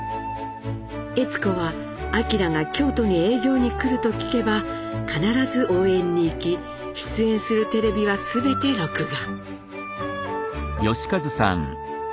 悦子は明が京都に営業に来ると聞けば必ず応援に行き出演するテレビは全て録画。